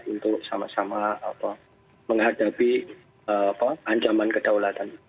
untuk sama sama menghadapi ancaman kedaulatan